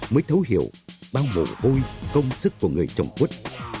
mới thấu hiểu bao mồ hôi công sức của người trồng quất